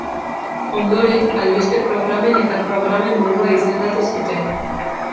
Ondoren, Albiste programen eta Programen burua izendatu zuten.